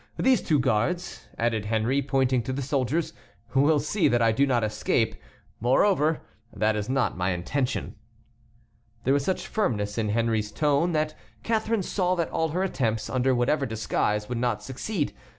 These two guards," added Henry, pointing to the soldiers, "will see that I do not escape. Moreover, that is not my intention." There was such firmness in Henry's tone that Catharine saw that all her attempts, under whatever disguise, would not succeed.